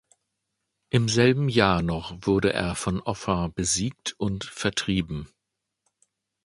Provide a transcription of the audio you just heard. Im selben Jahr noch wurde er von Offa besiegt und vertrieben.